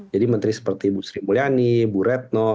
jadi menteri seperti ibu sri mulyani ibu retno